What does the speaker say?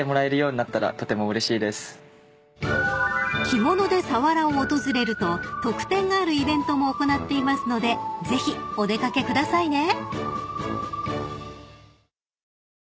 ［着物で佐原を訪れると特典があるイベントも行っていますのでぜひお出掛けくださいね］